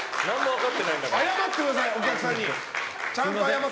謝ってください、お客さんに！